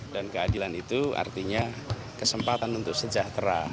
dan keadilan itu artinya kesempatan untuk sejahtera